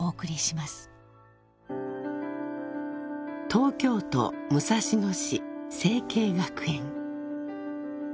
［東京都武蔵野市成蹊学園］